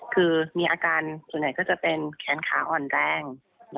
คือมีอาการส่วนใหญ่ก็จะเป็นแขนขาอ่อนแรง